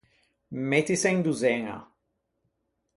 Mettise in dozzeña.